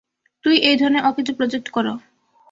তুৃমি এই ধরনের অকেজো প্রজেক্ট করো।